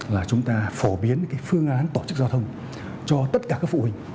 là chúng ta phổ biến phương án tổ chức giao thông cho tất cả các phụ huynh